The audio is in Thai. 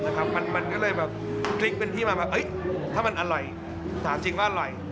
มันก็เลยแบบพลิกเป็นที่มาว่าถ้ามันอร่อยถามจริงว่าอร่อย